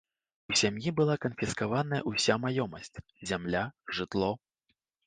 У сям'і была канфіскаваная ўся маёмасць, зямля, жытло.